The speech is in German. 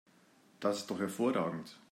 Das ist doch hervorragend!